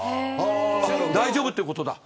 大丈夫ってことだ。